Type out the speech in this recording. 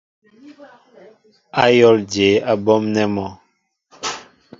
Ayól jeé á ɓɔmnέ mɔ ?